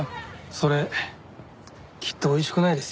それきっとおいしくないですよ。